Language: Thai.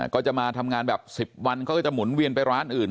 ก็จะมาทำงานแบบ๑๐วันเขาก็จะหมุนเวียนไปร้านอื่น